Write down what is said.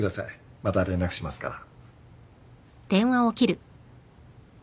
また連絡しますから。